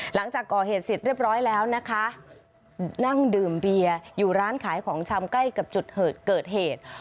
หลังจากก่อเหตุเสร็จเรียบร้อยแล้วนะคะนั่งดื่มเบียร์อยู่ร้านขายของชำใกล้กับจุดเกิดเหตุ